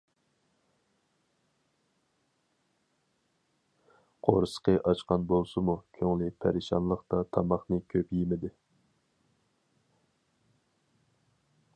قورسىقى ئاچقان بولسىمۇ كۆڭلى پەرىشانلىقتا تاماقنى كۆپ يىمىدى.